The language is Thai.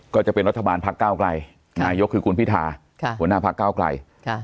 ก็จะเป็นรัฐบาลภาคกล้าวไกลไหนยกคือกูลพิทาหัวหน้าภาคกล้าวไกล